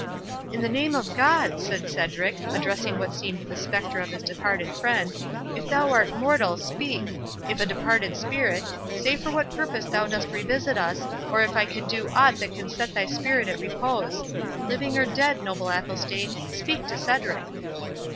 "In the name of God!" said Cedric, addressing what seemed the spectre of his departed friend, "if thou art mortal, speak!—if a departed spirit, say for what cause thou dost revisit us, or if I can do aught that can set thy spirit at repose.—Living or dead, noble Athelstane, speak to Cedric!"